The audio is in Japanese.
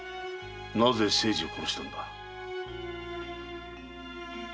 なぜ清次を殺したのだ？